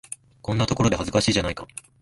こんなところで、恥ずかしいじゃないか。